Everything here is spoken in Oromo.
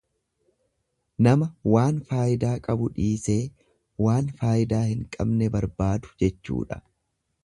Nama waan faayidaa qabu dhiisee waan faayidaa hin qabne barbaadu jechuudha.